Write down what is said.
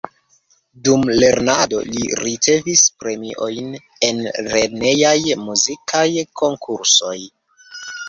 Dum lernado li ricevis premiojn en lernejaj muzikaj konkursoj.